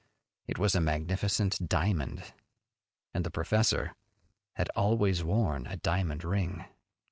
It was a magnificent diamond and the professor had always worn a diamond ring!